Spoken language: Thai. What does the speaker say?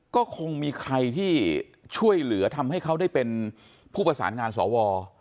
ก็คงมีใครที่ช่วยเหลือทำให้เขาได้เป็นผู้ประสานงานสว